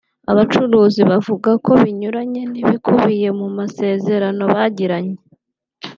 Abacuruzi bavuga ko binyuranye n’ibikubiye mu masezerano bagiranye